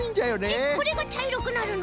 えっこれがちゃいろくなるの？